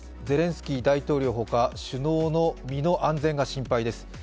ゼレンスキー大統領ほか首脳の身の安全が心配です。